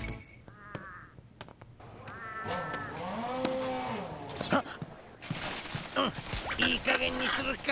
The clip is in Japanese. うんいいかげんにするカ。